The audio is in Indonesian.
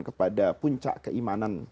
kepada puncak keimanan